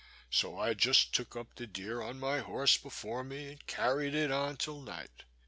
So I just took up the deer on my horse before me, and carried it on till night.